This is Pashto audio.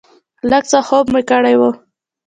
لږ څه خوب مو کړی و.